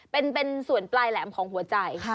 เป็นส่วนปลายแหลมของหัวใจ